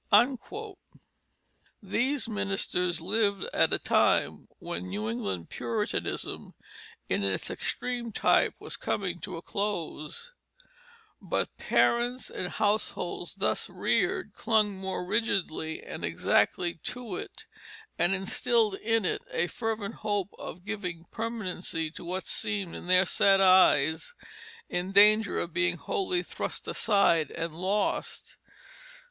These ministers lived at a time when New England Puritanism in its extreme type was coming to a close; but parents and households thus reared clung more rigidly and exactly to it and instilled in it a fervent hope of giving permanency to what seemed to their sad eyes in danger of being wholly thrust aside and lost.